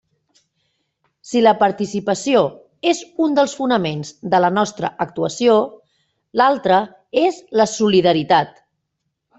Si la participació és un dels fonaments de la nostra actuació, l’altre és la solidaritat.